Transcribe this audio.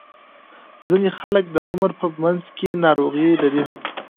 ځینې خلک د عمر په منځ کې ناروغۍ لري.